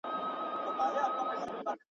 هغه له منځه ولاړی